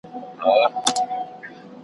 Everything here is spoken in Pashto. ګړی وروسته غویی پروت اندام اندام وو .